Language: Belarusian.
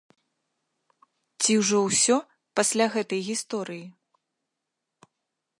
Ці ўжо ўсё, пасля гэтай гісторыі?